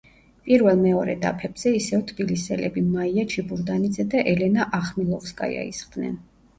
პირველ-მეორე დაფებზე ისევ თბილისელები, მაია ჩიბურდანიძე და ელენა ახმილოვსკაია ისხდნენ.